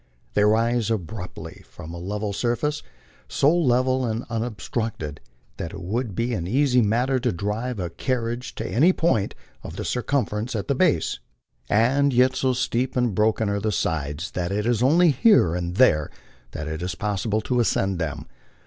They rise abruptly from a level sur face so level and unobstructed that it would be an easy matter to drive a car riage to any point of the circumference at the base ; and yet so steep and broken are the sides that it is only here and there that it is possible to ascend them.